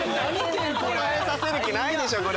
答えさせる気ないでしょ！